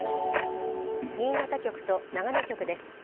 新潟局と長野局です。